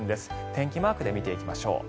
天気マークで見ていきましょう。